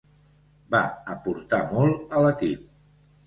Va aportar molt a l'equip.